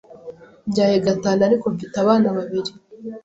mbyaye gatanu ariko mfite abana babiri,